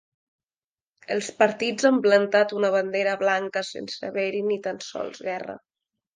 Els partits han plantat una bandera blanca sense haver-hi ni tan sols guerra.